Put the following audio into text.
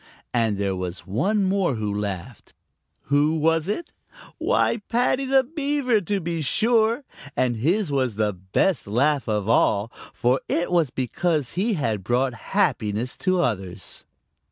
And there was one more who laughed. Who was it? Why, Paddy the Beaver to be sure, and his was the best laugh of all, for it was because he had brought happiness to others.